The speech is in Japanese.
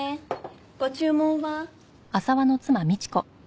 ご注文は？